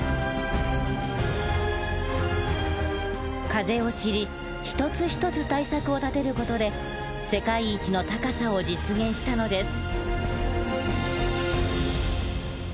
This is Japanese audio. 風を知り一つ一つ対策を立てる事で世界一の高さを実現したのです。